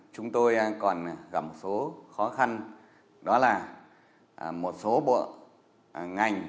chúng tôi còn gặp một số khó khăn đó là một số bộ ngành